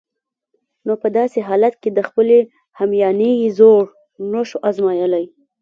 نو په داسې حالت کې د خپلې همیانۍ زور نشو آزمایلای.